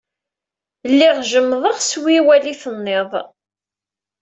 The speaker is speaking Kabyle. Lliɣ jemḍeɣ s wiwal i tennid.